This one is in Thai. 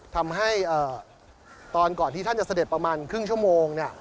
ทำให้ตอนก่อนที่ท่านจะเสด็จประมาณครึ่งชั่วโมง